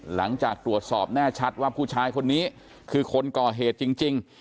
หลังจากตรวจสอบแน่ชัดว่าผู้ชายคนนี้คือคนก่อเหตุจริง